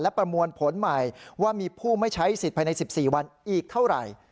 ประมวลผลใหม่ว่ามีผู้ไม่ใช้สิทธิภายใน๑๔วันอีกเท่าไหร่